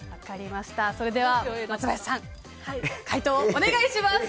それでは松林さん解答お願いします。